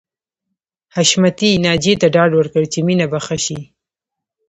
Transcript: حشمتي ناجیې ته ډاډ ورکړ چې مينه به ښه شي